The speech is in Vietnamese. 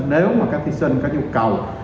nếu mà các thí sinh có nhu cầu